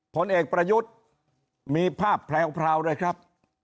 ผลเอกประยุทธ์มีภาพแพรวด้วยครับ